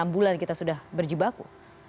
enam bulan kita sudah berjibaku